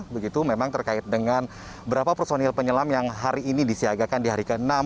begitu memang terkait dengan berapa personil penyelam yang hari ini disiagakan di hari ke enam